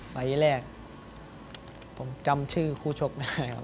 ไฟล์แรกผมจำชื่อคู่ชกนะครับ